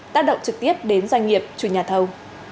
tác động trực tiếp đến doanh nghiệp chủ nhà thầu